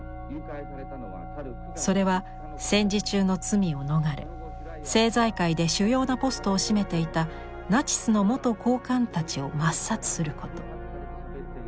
それは戦時中の罪を逃れ政財界で主要なポストを占めていたナチスの元高官たちを抹殺すること。